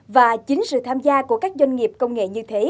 và chính sự tham gia của các doanh nghiệp công nghệ như thế